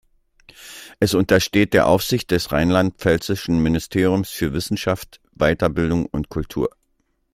Es untersteht der Aufsicht des rheinland-pfälzischen Ministeriums für Wissenschaft, Weiterbildung und Kultur.